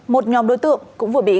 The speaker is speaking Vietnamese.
một nhóm đối tượng cũng vừa bị